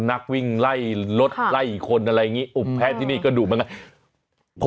นักวิ่งไล่รถไล่คนอะไรอย่างนี้อบแพ้ที่นี่ก็ดุเหมือนกัน